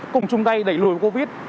cùng chung tay đẩy lùi covid